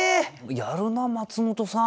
やるな松本さん。